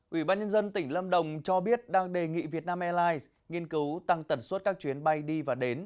ủy ban nhân dân tỉnh lâm đồng cho biết đang đề nghị vietnam airlines nghiên cứu tăng tần suất các chuyến bay đi và đến